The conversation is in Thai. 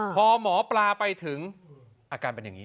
พอหมอปลาไปถึงอาการเป็นอย่างนี้